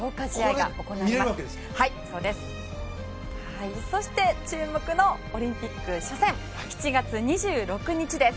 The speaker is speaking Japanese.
はいそして注目のオリンピック初戦７月２６日です。